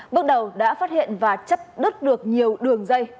bước đầu đã phát hiện và chấp đứt được nhiều đường dây